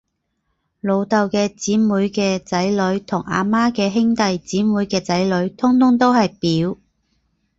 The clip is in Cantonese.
老豆嘅姐妹嘅仔女，同阿媽嘅兄弟姐妹嘅仔女，通通都係表